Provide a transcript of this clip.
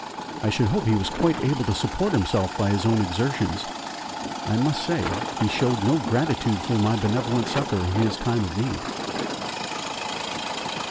I should hope he was quite able to support himself by his own exertions. I must say he showed no gratitude for my benevolent succour in his time of need.